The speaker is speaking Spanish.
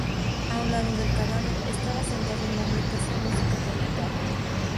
A un lado del cadáver estaba sentado un hombre que hacía música con guitarra.